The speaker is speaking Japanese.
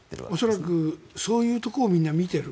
恐らくそういうところをみんな見ている。